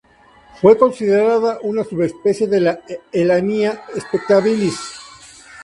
Fue considerada una subespecie de la "Elaenia spectabilis".